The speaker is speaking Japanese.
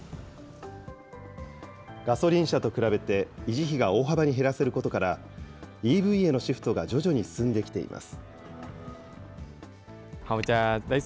ガソリン車と比べて維持費が大幅に減らせることから、ＥＶへのシフトが徐々に進んできています。